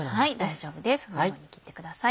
大丈夫ですこのように切ってください。